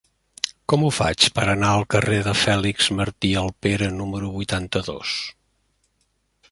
Com ho faig per anar al carrer de Fèlix Martí Alpera número vuitanta-dos?